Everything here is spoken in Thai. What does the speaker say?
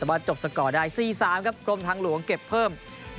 แต่ว่าจบสกอร์ได้๔๓ครับกรมทางหลวงเก็บเพิ่ม